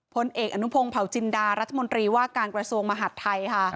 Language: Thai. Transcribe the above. พลเอกอนุพงศ์เผาจินดารัฐมนตรีว่าการกระทรวงมหาดไทยค่ะ